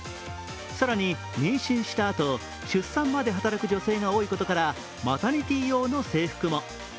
更に、妊娠したあと、出産まで働く女性が多いことからマタニティー用の制服も。